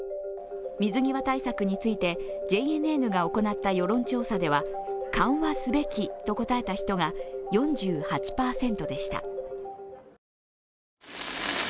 水際対策について、ＪＮＮが行った世論調査では緩和すべきと答えた人が４８％でした。